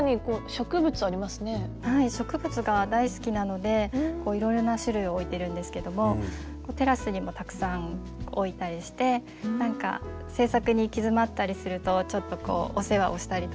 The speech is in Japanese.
はい植物が大好きなのでいろいろな種類を置いてるんですけどもテラスにもたくさん置いたりして製作に行き詰まったりするとちょっとお世話をしたりとか眺めたりとか。